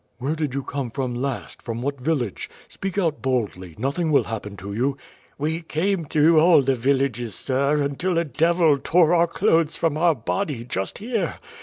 "Where did you come from last, from what village? Speak out boldly, nothing will happen to you." "We came through all the villages, sir, until a devil tore our clothes from our body, just here.